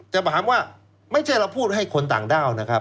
แต่ถามว่าไม่ใช่เราพูดให้คนต่างด้าวนะครับ